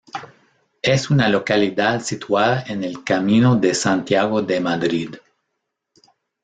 Es una localidad situada en el Camino de Santiago de Madrid.